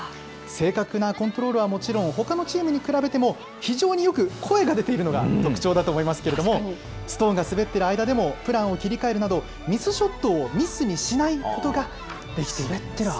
正確なコントロールはもちろん、ほかのチームに比べても非常によく声が出ているのが特徴だと思いますけれども、ストーンが滑っている間でもプランを切り替えるなど、ミスショットをミスにしないことができていると。